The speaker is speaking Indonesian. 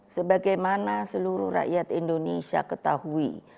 sebagaimana seluruh rakyat indonesia ketahui